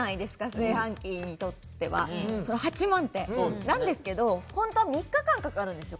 炊飯器にとってはその８万ってなんですけどホントは３日間かかるんですよ